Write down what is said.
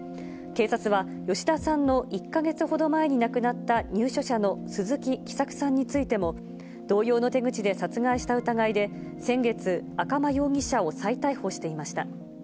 警察は、吉田さんの１か月ほど前に亡くなった、入所者の鈴木喜作さんについても、同様の手口で殺害した疑いで、先月、赤間容疑者を再逮捕していました。